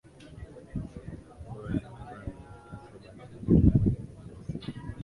ambayo yana upana wa takriban kilomita moja nukta sita